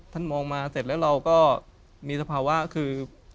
ท่านมองมาเสร็จแล้วเราก็มีสภาวะคือ